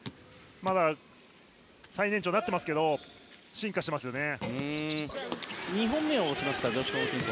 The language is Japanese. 最年長になっていますけどまだ進化していますよね。